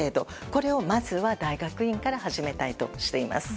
これをまずは大学院から始めたいとしています。